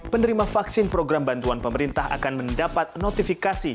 penerima vaksin program bantuan pemerintah akan mendapat notifikasi